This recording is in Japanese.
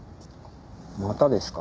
またですか？